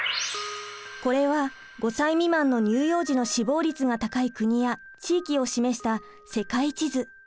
これは５歳未満の乳幼児の死亡率が高い国や地域を示した世界地図。